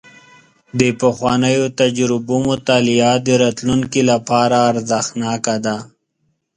د پخوانیو تجربو مطالعه د راتلونکي لپاره ارزښتناکه ده.